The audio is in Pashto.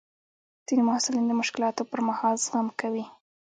ځینې محصلین د مشکلاتو پر مهال زغم کوي.